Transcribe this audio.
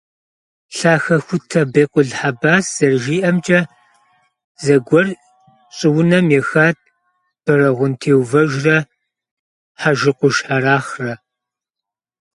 Лъахэхутэ Бекъул Хьэбас зэрыжиӀэмкӀэ, зэгуэр щӀыунэм ехат Бэрэгъун Теувэжрэ ХьэжыкӀуш Арахърэ.